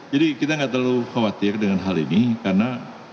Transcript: jadi kita gak terlalu khawatir dengan hal ini karena